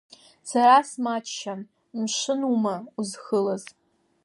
Сара смаҷшьан, мшынума узхылаз?